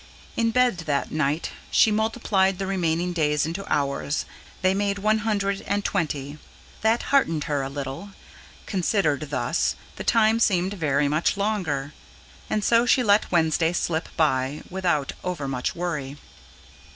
In bed that night she multiplied the remaining days into hours. They made one hundred and twenty. That heartened her a little; considered thus, the time seemed very much longer; and so she let Wednesday slip by, without over much worry.